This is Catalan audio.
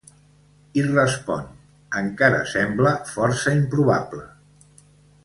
I respon: Encara sembla força improbable.